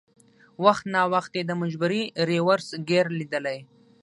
وخت ناوخت یې د مجبورۍ رېورس ګیر لېدلی.